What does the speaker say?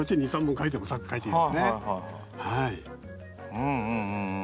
うんうんうんうん。